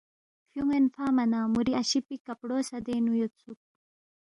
فیُون٘ین فنگما نہ مُوری اشی پی کپڑو سہ دینگ یودسُوک